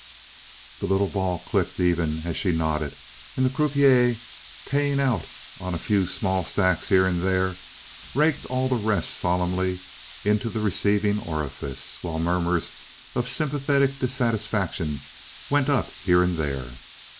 The little ball clicked even as she nodded, and the croupier, paying out on a few small stacks here and there, raked all the rest solemnly into the receiving orifice, while murmurs of sympathetic dissatisfaction went up here and there.